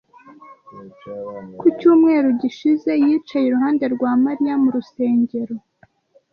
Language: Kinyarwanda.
Ku cyumweru gishize, yicaye iruhande rwa Mariya mu rusengero.